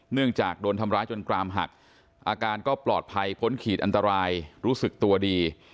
เนื่องจากโดนทำร้ายจนกรามหักอาการก็ปลอดภัยพ้นขีดอันตรายรู้สึกตัวดี